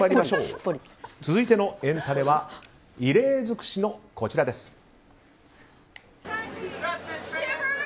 続いてのエンタメは異例尽くしのこちらです。